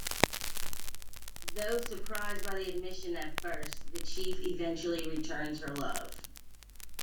Though surprised by the admission at first, the Chief eventually returns her love.